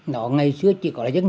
nó ngày xưa chỉ có dân dùng